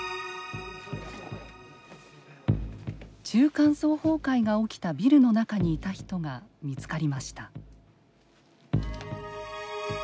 中間層崩壊が起きたビルの中にいた人が見つかりました。